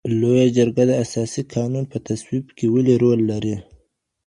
لویه جرګه د اساسي قانون په تصویب کي ولي رول لري؟